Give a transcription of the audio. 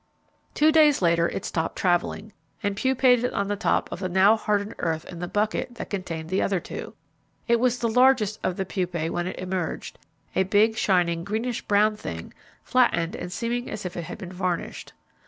Two days later it stopped travelling, and pupated on the top of the now hardened earth in the bucket that contained the other two. It was the largest of the pupae when it emerged, a big shining greenish brown thing flattened and seeming as if it had been varnished.